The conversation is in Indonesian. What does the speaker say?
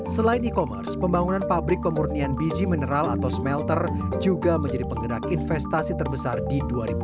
selain e commerce pembangunan pabrik pemurnian biji mineral atau smelter juga menjadi penggerak investasi terbesar di dua ribu dua puluh